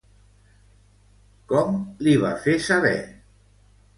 Com li va fer saber?